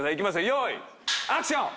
用意アクション。